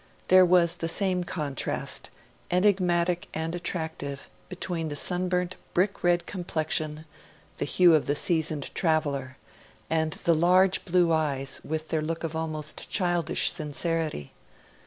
There was the same contrast enigmatic and attractive between the sunburnt brick red complexion the hue of the seasoned traveller and the large blue eyes, with their look of almost childish sincerity.